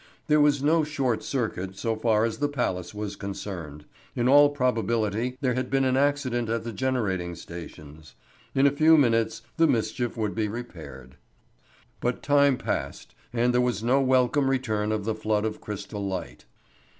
There was no short circuit so far as the Palace was concerned. In all probability there had been an accident at the generating stations; in a few minutes the mischief would be repaired. But time passed, and there was no welcome return of the flood of crystal light.